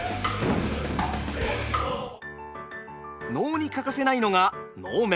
能に欠かせないのが能面。